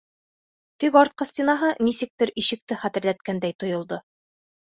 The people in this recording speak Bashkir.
Тик артҡы стенаһы нисектер ишекте хәтерләткәндәй тойолдо.